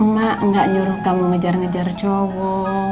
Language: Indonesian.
mak gak nyuruh kamu ngejar ngejar cowo